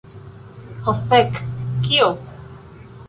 Ho fek. Kio?